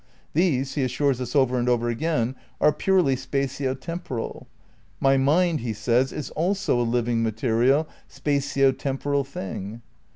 These, he assures us over and over again, are purely spatio temporal ... "my mind is also a living material spatio temporal thing."